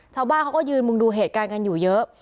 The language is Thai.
ชาวบ้านเขาก็ยืนมุงดูเหตุการณ์กันอยู่เยอะ